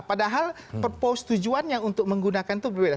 padahal perpose tujuannya untuk menggunakan itu berbeda